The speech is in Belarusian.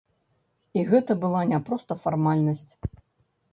І гэта была не проста фармальнасць.